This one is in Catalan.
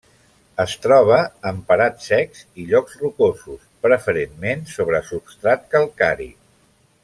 Es troba en parats secs i llocs rocosos, preferentment sobre substrat calcari.